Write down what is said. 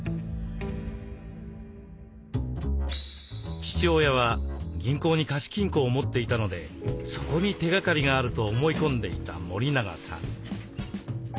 父親は銀行に貸金庫を持っていたのでそこに手がかりがあると思い込んでいた森永さん。